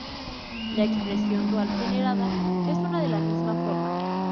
La expresión dual generada es una de la misma forma.